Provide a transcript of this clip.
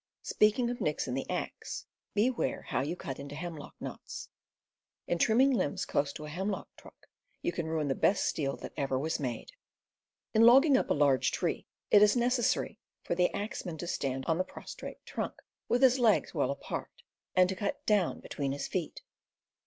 Speaking of nicks in the axe, beware how you cut into hemlock knots; in trimming limbs close to a hemlock trunk, you can ruin the best steel that ever was made. In logging up a large tree it is necessary for the axe man to stand on the prostrate trunk, with his legs well apart, and to cut down between his feet.